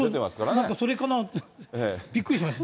なんかそれかな、びっくりしました。